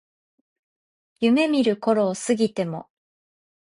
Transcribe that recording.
夢見る頃を過ぎても